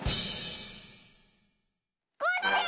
コッシー！